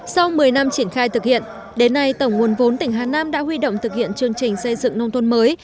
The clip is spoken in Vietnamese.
sau một mươi năm triển khai thực hiện đến nay tổng nguồn vốn tỉnh hà nam đã huy động thực hiện chương trình xây dựng nông thôn mới